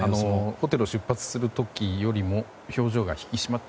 ホテルを出発する時よりも表情が引き締まって。